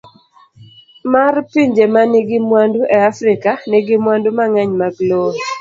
D. mar Pinje ma nigi mwandu e Afrika, nigi mwandu mang'eny mag lowo.